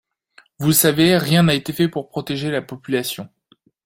Vous le savez, rien n’a été fait pour protéger la population.